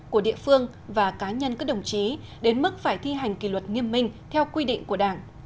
của địa phương và cá nhân các đồng chí đến mức phải thi hành kỷ luật nghiêm minh theo quy định của đảng